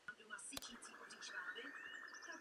Hrál také za československou reprezentaci.